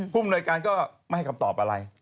ภูมิหน่วยการก็ไม่ให้คำตอบอะไร